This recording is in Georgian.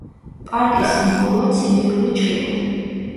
პარკის სიმბოლოა ციმბირული ჩხიკვი.